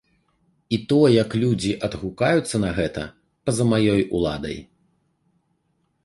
І то, як людзі адгукаюцца на гэта, па-за маёй уладай.